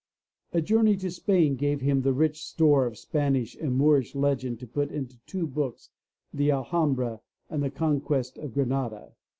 A journey to Spain gave him the rich store of Spanish and Moor ish legend to put into two books. The Alhambra and The Conquest of Granada.